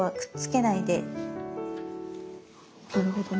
なるほどね。